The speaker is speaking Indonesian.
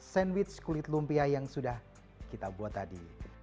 sandwich kulit lumpia yang sudah kita buat tadi